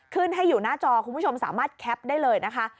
ขึ้นให้อยู่หน้าจอคุณผู้ชมสามารถแคปได้เลยนะคะ